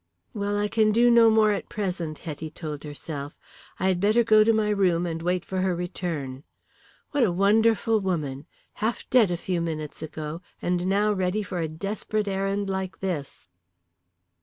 "Well, I can do no more at present," Hetty told herself. "I had better go to my room and wait for her return. What a wonderful woman! Half dead a few minutes ago, and now ready for a desperate errand like this!"